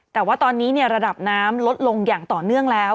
แต่ว่าตอนนี้ระดับน้ำลดลงอย่างต่อเนื่องแล้ว